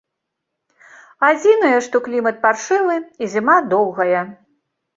Адзінае, што клімат паршывы і зіма доўгая.